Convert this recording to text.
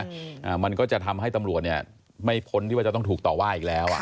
อ่ามันก็จะทำให้ตำรวจเนี้ยไม่พ้นที่ว่าจะต้องถูกต่อว่าอีกแล้วอ่ะ